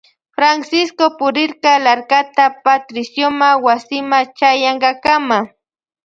Francisco purirka larkata Patriciopa wasima chayankakama.